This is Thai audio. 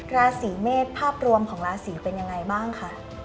ราศีเมษภาพรวมของราศีเป็นยังไงบ้างคะ